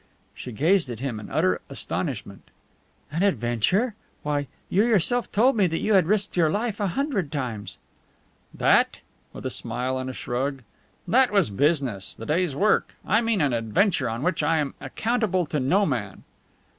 She gazed at him in utter astonishment. "An adventure? Why, you yourself told me that you had risked your life a hundred times!" "That?" with a smile and a shrug. "That was business, the day's work. I mean an adventure in which I am accountable to no man."